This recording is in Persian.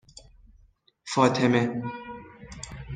فاطمه